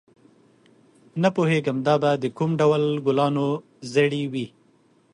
نه پوهېږم دا به د کوم ډول ګلانو زړي وي.